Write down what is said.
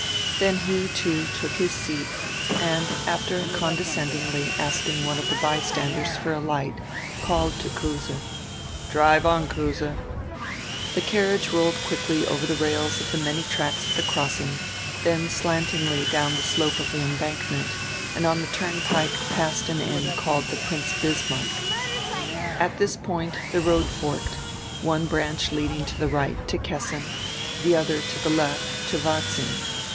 Then he, too, took his seat and after condescendingly ask ing one of die bystanders for a light called to Kruse: "Drive on, Kruse." The carriage rolled quickly over die rails of die many tracks at die crossing, dien slantingly down die slope of die embankment, and on die turnpike past an inn called "The Prince Bismarck." At diis point die road forked, one branch leading to die right to Kessin, the odier to die left to Varzin.